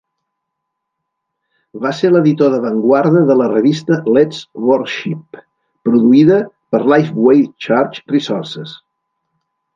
Va ser l'editor d'avantguarda de la revista "Let's Worship" produïda per Lifeway Church Resources.